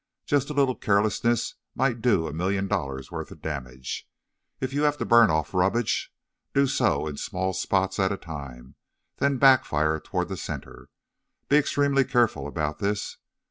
Just a little carelessness might do a million dollars' worth of damage. If you have to burn off the rubbish, do so in small spots at a time, then backfire toward the center. Be extremely careful about this.